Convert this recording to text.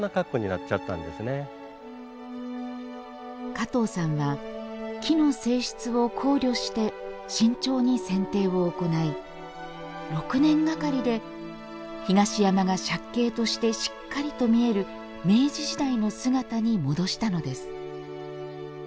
加藤さんは木の性質を考慮して慎重にせんていを行い６年がかりで東山が借景としてしっかりと見える明治時代の姿に戻したのです。